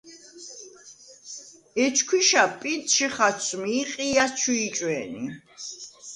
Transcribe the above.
ეჯ ქვიშა პინტჟი ხაცვმი ი ყიჲას ჩუ იჭვე̄ნი.